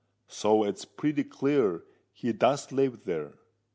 So it's pretty clear he does live there.